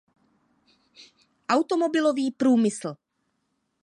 Automobilový průmysl.